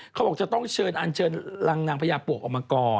เขาบอกจะต้องเชิญอันเชิญรังนางพญาปวกออกมาก่อน